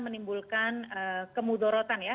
menimbulkan kemudorotan ya